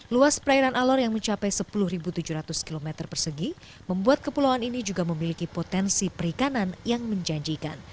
luas perairan alor yang mencapai sepuluh tujuh ratus km persegi membuat kepulauan ini juga memiliki potensi perikanan yang menjanjikan